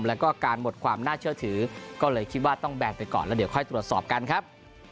แล้วก็การหมดความน่าเชื่อถือก็เลยคิดว่าต้องแบนไปก่อนแล้วเดี๋ยวค่อยตรวจสอบกันครับ